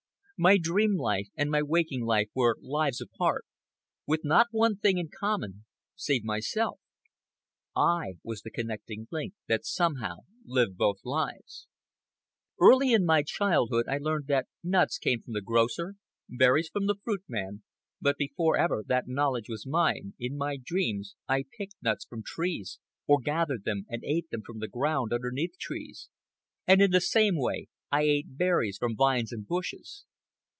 My dream life and my waking life were lives apart, with not one thing in common save myself. I was the connecting link that somehow lived both lives. Early in my childhood I learned that nuts came from the grocer, berries from the fruit man; but before ever that knowledge was mine, in my dreams I picked nuts from trees, or gathered them and ate them from the ground underneath trees, and in the same way I ate berries from vines and bushes.